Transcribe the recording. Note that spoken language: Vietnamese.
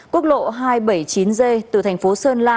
quốc lộ hai trăm bảy mươi chín g từ thành phố sơn la